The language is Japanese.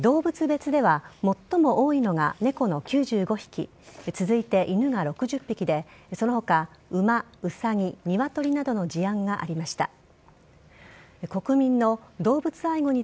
動物別では最も多いのが猫の９５匹続いて犬が６０匹でその他馬、ウサギ、ニワトリなどの事案がありました。